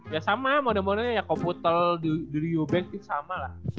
ya sama moda modanya jakob putel drew banks sama lah